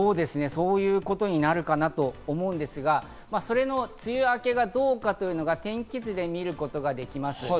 そういうことになるかなと思うんですが、梅雨明けがどうかというのが天気図で見ることができます。